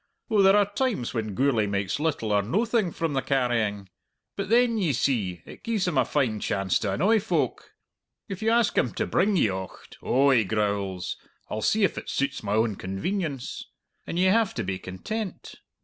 Oh, there are times when Gourlay makes little or noathing from the carrying; but then, ye see, it gies him a fine chance to annoy folk! If you ask him to bring ye ocht, 'Oh,' he growls, 'I'll see if it suits my own convenience.' And ye have to be content.